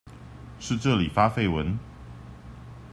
是這裡發廢文？